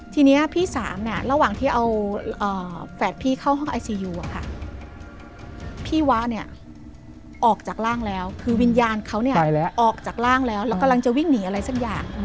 ทีนี้พี่สามเนี่ยระหว่างที่เอาแฝดพี่เข้าห้องไอซียูพี่วะเนี่ยออกจากร่างแล้วคือวิญญาณเขาเนี่ยออกจากร่างแล้วแล้วกำลังจะวิ่งหนีอะไรสักอย่าง